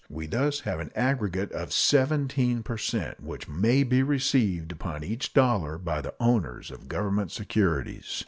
We thus have an aggregate of 17 per cent which may be received upon each dollar by the owners of Government securities.